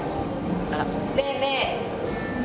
ねえねえ。